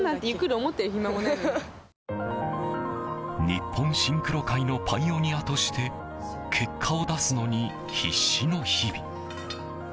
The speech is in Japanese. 日本シンクロ界のパイオニアとして結果を出すのに必死の日々。